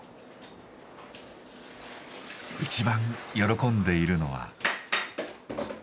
一番喜んでいるのは。